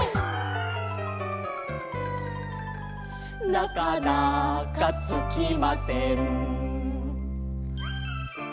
「なかなかつきません」